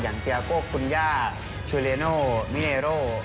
อย่างเกียร์โกคุณย่าชูเลียโนมิเนโร